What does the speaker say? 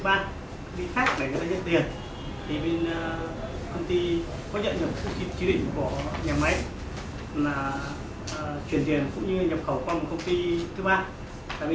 công ty khác để người ta nhập tiền thì bên công ty có nhận được chỉ định của nhà máy là chuyển tiền cũng như nhập khẩu qua một công ty thứ ba là bên công ty bên sinh